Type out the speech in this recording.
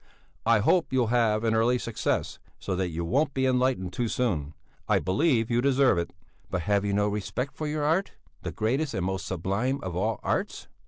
I hope you'll have an early success so that you won't be enlightened too soon; I believe you deserve it." "But have you no respect for your art, the greatest and most sublime of all arts?"